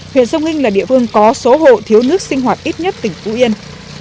huyện sông hinh là địa phương có số hộ thiếu nước sinh hoạt ít nhất tỉnh phú yên